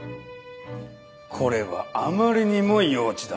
これはあまりにも幼稚だ